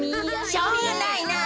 しょうがないなあ。